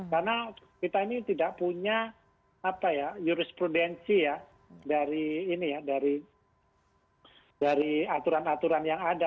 karena kita ini tidak punya jurisprudensi dari aturan aturan yang ada